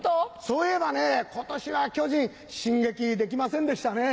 そういえばね今年は巨人進撃できませんでしたね。